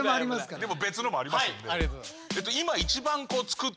でも別のもありますんで。